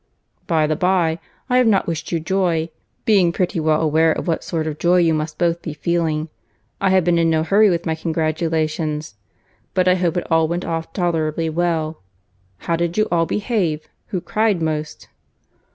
"By the bye—I have not wished you joy. Being pretty well aware of what sort of joy you must both be feeling, I have been in no hurry with my congratulations; but I hope it all went off tolerably well. How did you all behave? Who cried most?"